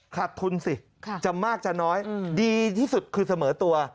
ขาดทุนสิจะมากจะน้อยดีที่สุดคือเสมอตัว